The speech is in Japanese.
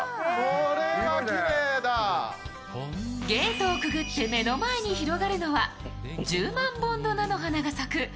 ゲートをくぐって目の前に広がるのは、１０万本の菜の花が咲く